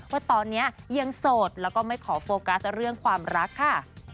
ว่าตอนนี้ยังโสดแล้วก็ไม่ขอโฟกัสเรื่องความรักค่ะ